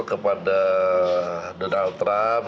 kepada donald trump